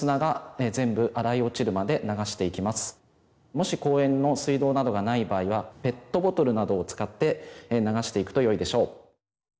もし公園の水道などがない場合はペットボトルなどを使って流していくとよいでしょう。